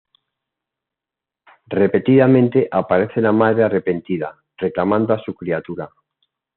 Repentinamente aparece la madre arrepentida, reclamando a su criatura.